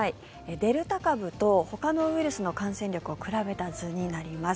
デルタ株とほかのウイルスの感染力を比べた図になります。